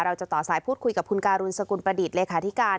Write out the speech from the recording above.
เราจะต่อสายพูดคุยกับคุณการุณสกุลประดิษฐ์เลขาธิการ